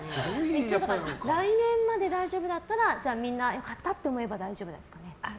来年まで大丈夫だったらみんな、良かったって思えば大丈夫ですかね？